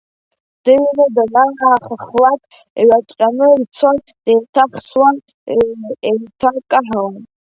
Дыҩны данаахаххлак, иҩаҵҟьаны ицон, деиҭеихсуан, еиҭакаҳауан.